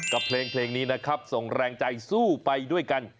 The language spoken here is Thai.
กับเพลงนี้นะครับส่งแรงใจสู้ไปด้วยกัน